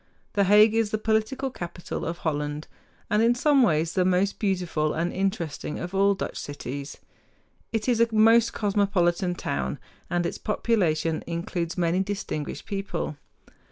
The Hague is the political capital of Holland, and in some ways the most beautiful and interesting of all Dutch cities. It is a most cosmopolitan town, and its population includes many distinguished people.